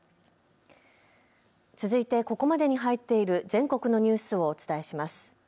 続いて、ここまでに入っている全国のニュースをお伝えします。